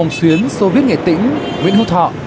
vòng xuyến xô viết nghệ tĩnh nguyễn hữu thọ